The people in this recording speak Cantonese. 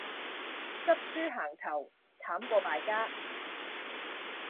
執輸行頭,慘過敗家